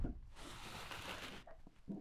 虢州弘农县人。